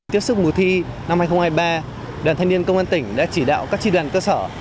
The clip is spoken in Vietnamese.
tiếp sức mùa thi năm hai nghìn hai mươi ba đoàn thanh niên công an tỉnh đã chỉ đạo các tri đoàn cơ sở